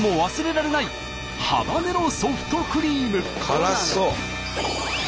辛そう！